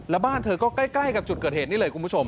แล้วบ้านเธอก็ใกล้กับจุดเกิดเหตุนี่เลยคุณผู้ชม